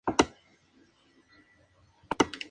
El golfo de Bomba toma su nombre de esta localidad.